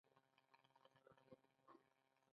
د بادام پوستکی د قبضیت لپاره لرې کړئ